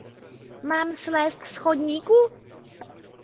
Mám slézt z chodníku?